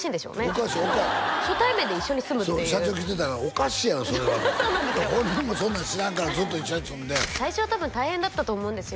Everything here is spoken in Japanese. おかしい初対面で一緒に住むっていう社長来てたから「おかしいやろそれは」って本人もそんなん知らんからずっと一緒に住んで最初は多分大変だったと思うんですよ